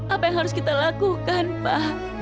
apa yang harus kita lakukan pak